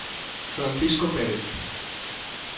Francisco Pérez.